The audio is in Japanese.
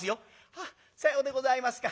「あっさようでございますか。